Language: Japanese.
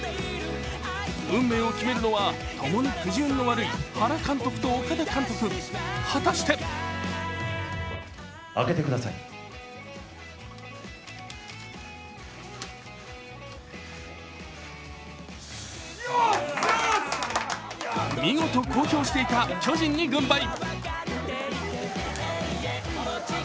運命を決めるのは共にくじ運の悪い原監督と岡田監督、果たして見事、公表していた巨人に軍配。